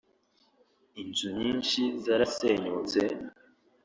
Inzu nyinshi zarasenyutse